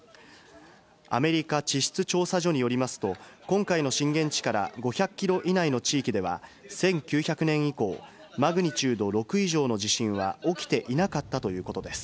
アメリカ地質調査所によりますと、今回の震源地から５００キロ以内の地域では、１９００年以降、マグニチュード６以上の地震は起きていなかったということです。